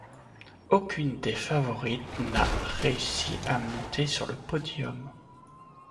Aucune des favorites n'a réussi à monter sur le podium.